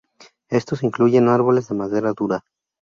Estos incluyen árboles de madera dura.